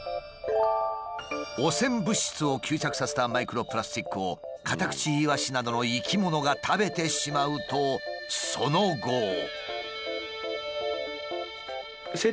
汚染物質を吸着させたマイクロプラスチックをカタクチイワシなどの生き物が食べてしまうとその後。